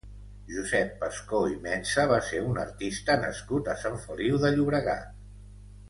Josep Pascó i Mensa va ser un artista nascut a Sant Feliu de Llobregat.